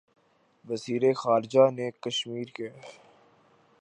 وزیر خارجہ نے کشمیر کے